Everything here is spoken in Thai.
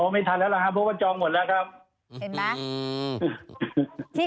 ไม่ทันแล้วหรอฮะเพราะว่าจองหมดแล้วครับเห็นไหมอืมที่